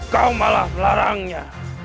kau malah melarangnya